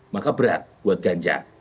maka berat buat ganjar